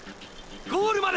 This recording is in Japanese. ゴールまで！！